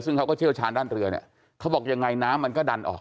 ซึ่งเขาก็เชี่ยวชาญด้านเรือเนี่ยเขาบอกยังไงน้ำมันก็ดันออก